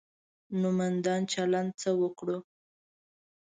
نومندانو چلند څه وکړو.